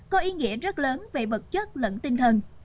có ý nghĩa rất lớn về vật chất lẫn tinh thần